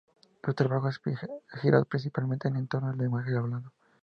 Su trabajo ha girado principalmente en torno al lenguaje hablado.